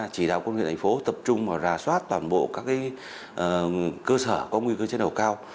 chỉ đạo quân huyện thành phố tập trung vào rà soát toàn bộ các cơ sở có nguy cơ cháy nổ cao